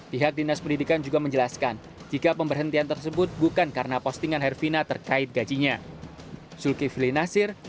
pihak dinas pendidikan juga menjelaskan jika pemberhentian tersebut bukan karena postingan herfina terkait gajinya